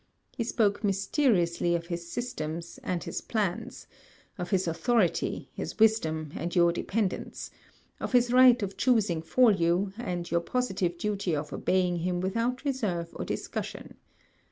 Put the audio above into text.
He spoke mysteriously of his systems, and his plans, of his authority, his wisdom, and your dependence, of his right of choosing for you, and your positive duty of obeying him without reserve or discussion.